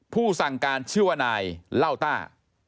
ผู้สั่งการชื่อว่านายเล่าต้า